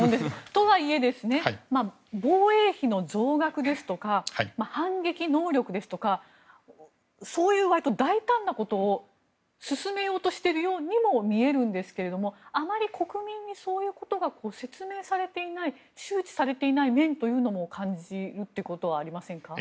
とはいえ、防衛費の増額ですとか反撃能力ですとかそういう割と大胆なことを進めようとしているようにも見えるんですがあまり国民にそういうことが説明されていない周知されていない面も感じるということはありませんか？